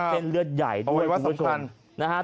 เป็นเลือดใหญ่ด้วยอวัยวะสำคัญ